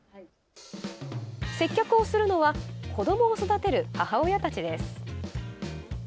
接客をするのは子どもを育てる母親たちです。